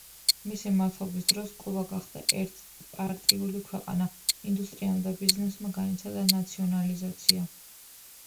მისი მმართველობის დროს კუბა გახდა ერთპარტიული ქვეყანა, ინდუსტრიამ და ბიზნესმა განიცადა ნაციონალიზაცია.